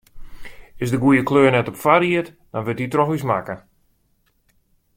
Is de goede kleur net op foarried, dan wurdt dy troch ús makke.